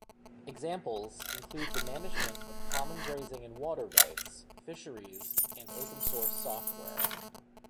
Examples include the management of common grazing and water rights; fisheries and open-source software.